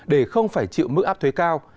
để không phải chịu mức áp thuế cao